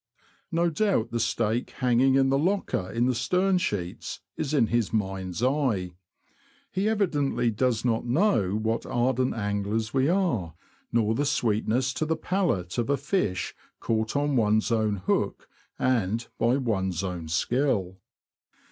'' No doubt the steak hanging in the locker in the stern sheets is in his mind's eye. He evidently does not know what ardent anglers we are, nor the sweetness to the palate of a fish caught on one's own hook and by one's own skill.